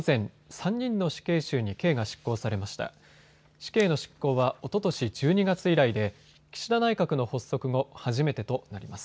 死刑の執行はおととし１２月以来で岸田内閣の発足後、初めてとなります。